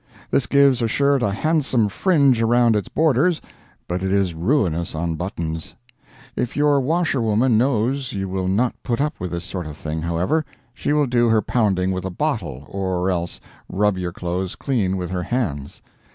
This gives a shirt a handsome fringe around its borders, but it is ruinous on buttons. If your washerwoman knows you will not put up with this sort of thing, however, she will do her pounding with a bottle, or else rub your clothes clean with her hands.